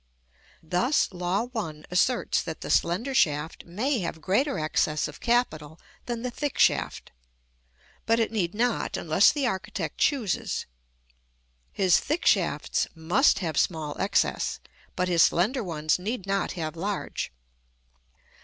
Thus Law 1 asserts that the slender shaft may have greater excess of capital than the thick shaft; but it need not, unless the architect chooses; his thick shafts must have small excess, but his slender ones need not have large.